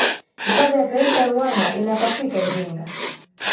hifadhi ya taifa ruaha inapatika iringa